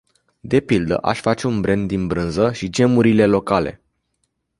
De pildă, aș face un brand din brânza și gemurile locale.